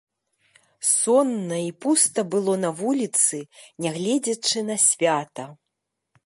Сонна і пуста было на вуліцы, нягледзячы на свята.